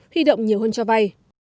huy động nhiều hơn cho vay